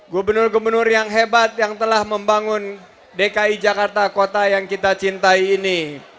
gubernur gubernur yang hebat yang telah membangun dki jakarta kota yang kita cintai ini